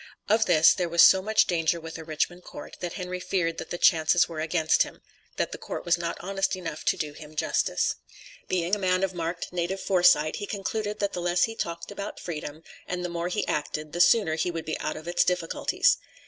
Of this, there was so much danger with a Richmond court, that Henry feared that the chances were against him; that the court was not honest enough to do him justice. Being a man of marked native foresight, he concluded that the less he talked about freedom and the more he acted the sooner he would be out of his difficulties.